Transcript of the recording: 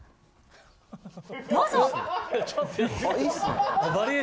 どうぞ。